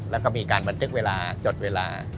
แล้วก็มีการบันทึกเวลาจดเวลา